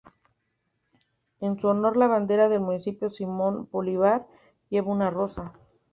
En su honor la bandera del Municipio Simón Bolívar, lleva una rosa.